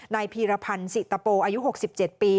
พีรพันธ์สิตโปอายุ๖๗ปี